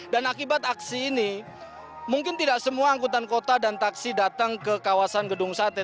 dan akibat aksi ini mungkin tidak semua angkutan kota dan taksi datang ke kawasan gedung sate